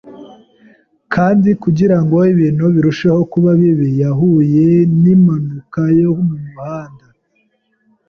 Kandi kugirango ibintu birusheho kuba bibi, yahuye nimpanuka yo mumuhanda.